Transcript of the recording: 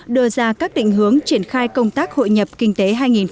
đưa ra các định hướng triển khai công tác hội nhập kinh tế hai nghìn một mươi tám